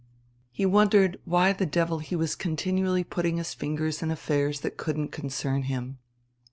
He wondered why the devil he was continually putting his fingers in affairs that couldn't concern him.